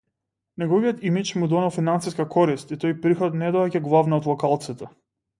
Неговиот имиџ му донел финансиска корист и тој приход не доаѓа главно од локалците.